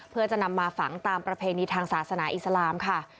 เพื่อจะนำมาฝังตามประเพณีทางศาสนาอิสลามค่ะ